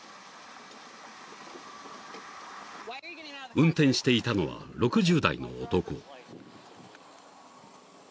［運転していたのは６０代の男］